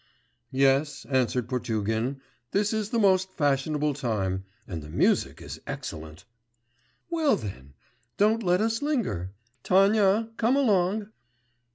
'Yes,' answered Potugin: 'this is the most fashionable time, and the music is excellent.' 'Well, then, don't let us linger. Tanya, come along.